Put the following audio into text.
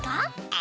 え？